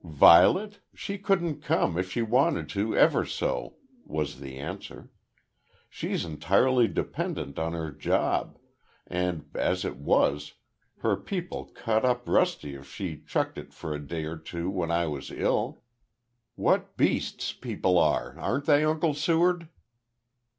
"Violet? She couldn't come, if she wanted to ever so," was the answer. "She's entirely dependent on her job and, as it was, her people cut up rusty if she chucked it for a day or two when I was ill. What beasts people are aren't they. Uncle Seward?"